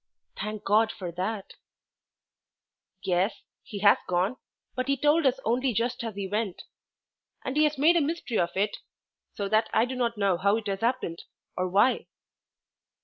"Thank God for that!" "Yes; he has gone. But he told us only just as he went. And he has made a mystery of it, so that I do not know how it has happened, or why."